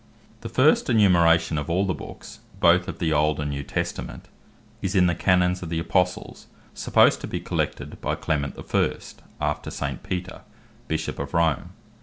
The first enumeration of all the Bookes, both of the Old, and New Testament, is in the Canons of the Apostles, supposed to be collected by Clement the first (after St. Peter) Bishop of Rome.